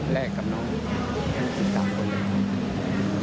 แรกกับน้องแค่๑๓คนเลยค่ะ